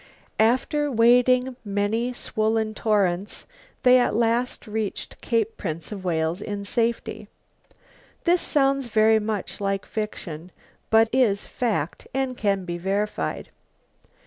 After wading many swollen torrents, they at last reached Cape Prince of Wales in safety. This sounds very much like fiction but is fact and can be verified.